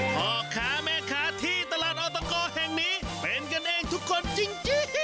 พ่อค้าแม่ค้าที่ตลาดออตกแห่งนี้เป็นกันเองทุกคนจริง